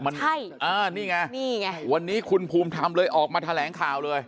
นี่ไงวันนี้คุณภูมิทำเลยออกมาแถลงข่าวเลย